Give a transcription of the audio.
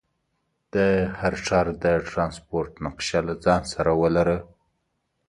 د هر ښار د ټرانسپورټ نقشه له ځان سره ولره.